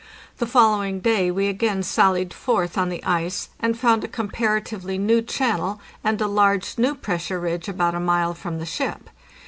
The following day we again sallied forth on the ice, and found a comparatively new channel and a large new pressure ridge about a mile from the ship.